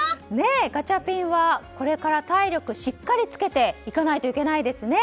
ガチャピンはこれから体力しっかりつけていかないといけないですね。